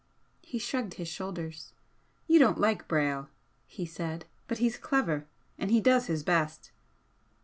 He shrugged his shoulders. "You don't like Brayle," he said "But he's clever, and he does his best."